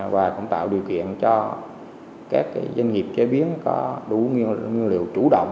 và cũng tạo điều kiện cho các doanh nghiệp chế biến có đủ nguyên liệu chủ động